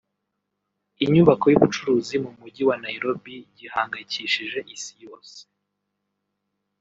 inyubako y’ubucuruzi mu mujyi wa Nairobi gihangayikishije Isi yose